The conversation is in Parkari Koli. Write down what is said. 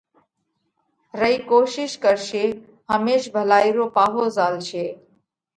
رئي ڪوشِيش ڪرشي۔ هميش ڀلائِي رو پاهو زهالشي